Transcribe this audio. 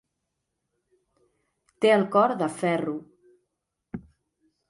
Té el cor de ferro.